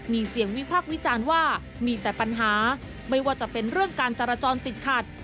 มีเสียงวิพักษ์วิจารณ์ว่ามีแต่ปัญหาไม่ว่าจะเป็นเรื่องการจราจรติดขัด